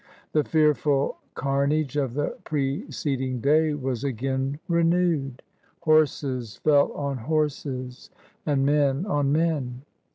The fearful carnage of the preceding day was again renewed. Horses fell on horses and men on men.